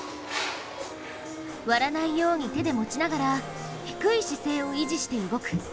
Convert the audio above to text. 割らないように手で持ちながら低い姿勢を維持して動く。